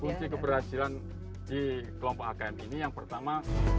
kunci keberhasilan di kelompok akm ini yang pertama